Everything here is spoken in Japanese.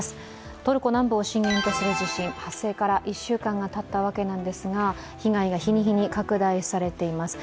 トルコ南部を震源とする地震発生から１週間がたったわけですが被害が日に日に拡大されています。